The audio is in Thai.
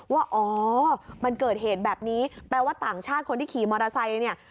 ว่าอ๋อมันเกิดเหตุแบบนี้แปลว่าต่างชาติคนที่ขี่มอเตอร์ไซค์เนี่ย